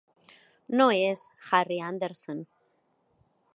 No és Harry Anderson.